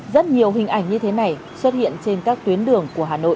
rất nhiều hình ảnh như thế này xuất hiện trên các tuyến đường của hà nội